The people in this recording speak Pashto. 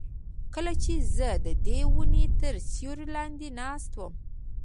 کله چې زه ددې ونې تر سیوري لاندې ناست وم.